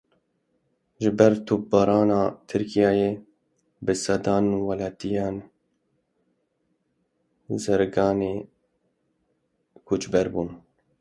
Ji ber topbarana Tirkiyeyê bi sedan welatiyên Zirganê koçber bûn.